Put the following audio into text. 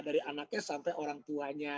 dari anaknya sampai orang tuanya